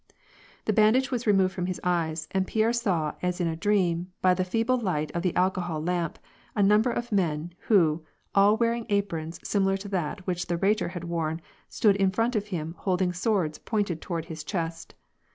The bandage was removed from his eyes, and Pierre saw as in a dream, by the feeble light of the alcohol lamp, a number of men, who, all wearing aprons similar to that which the Khetor had worn, stood in front of him holding swords pointed toward his chest.